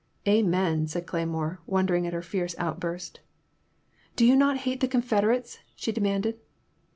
Amen," said Cle5anore, wondering .at her fierce outburst. Do you not hate the Confederates?" she demanded.